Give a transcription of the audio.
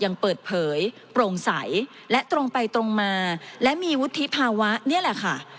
ยังเปิดเผยโปร่งใสและตรงไปตรงมาและมีวุฒิภาวะนี่แหละค่ะ